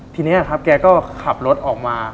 ทีนี้แกก็ขับรถออกมา